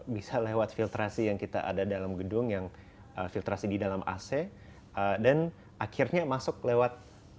bisa lewat filtrasi yang kita ada dalam gedung yang filtrasi di dalam ac dan akhirnya masuk lewat